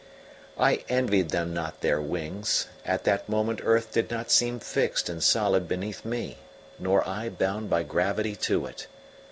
I envied them not their wings: at that moment earth did not seem fixed and solid beneath me, nor I bound by gravity to it.